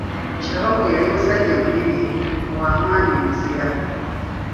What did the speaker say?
Kyabaggu yali musajja munene, wa maanyi muzira.